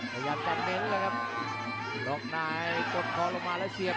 พยายามจะเน้นเลยครับล็อกในกดคอลงมาแล้วเสียบ